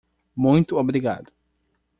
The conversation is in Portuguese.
Muito obrigado!